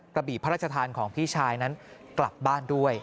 กระบี่พระราชทานของพี่ชายนั้นกลับบ้านด้วย